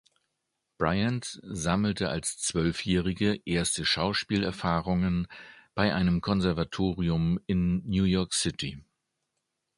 Bryant sammelte als Zwölfjährige erste Schauspielerfahrungen bei einem Konservatorium in New York City.